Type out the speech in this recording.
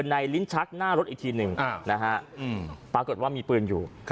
ลิ้นชักหน้ารถอีกทีหนึ่งนะฮะปรากฏว่ามีปืนอยู่